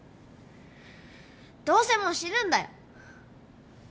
どうせもう死ぬんだよ！